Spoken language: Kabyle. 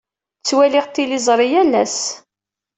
Ttwaliɣ tiliẓri yal ass.